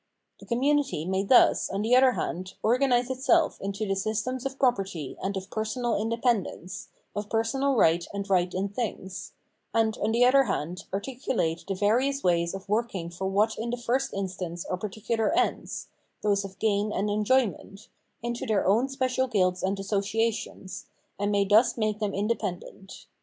The community may thus, on the one hand, organise itself into the systems of property and of personal independence, of personal right and right in things ; and, on the other hand, articulate the various ways of working for what in the first instance are particular 449 The Ethical World ends — those of gain and enjoyment — into their own special guilds and associations, and may thus make them independent.